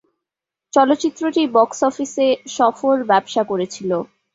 চলচ্চিত্রটি বক্স অফিসে সফল ব্যবসা করেছিল।